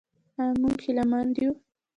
آیا موږ هیله مند یو؟